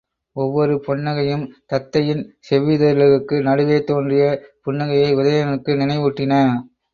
ஒவ்வொரு பொன்னகையும் தத்தையின் செவ்விதழ்களுக்கு நடுவே தோன்றிய புன்னகையை உதயணனுக்கு நினைவூட்டின.